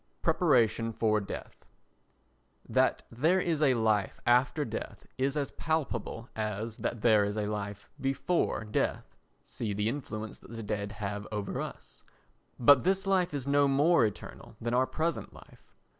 Preparation for Death That there is a life after death is as palpable as that there is a life before death—see the influence that the dead have over us—but this life is no more eternal than our present life.